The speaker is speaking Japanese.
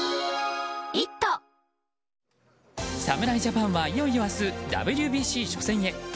侍ジャパンはいよいよ明日ＷＢＣ初戦へ。